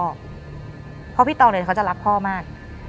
เพราะพี่ตองเนี่ยเขาจะรักพ่อมาก